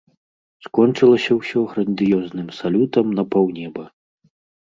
Скончылася ўсё грандыёзным салютам на паўнеба.